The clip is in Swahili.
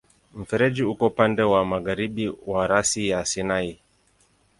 Mfereji uko upande wa magharibi wa rasi ya Sinai.